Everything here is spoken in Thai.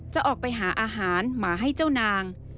จะออกไปหาอาหารมาให้เจ้านาง